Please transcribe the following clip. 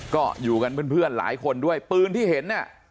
ก็อยู่กันเพื่อนหลายคนด้วยปืนที่เห็นเนี่ย